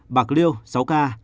bạc liêu sáu ca